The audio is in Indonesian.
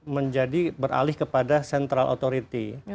menjadi beralih kepada sentral otoriti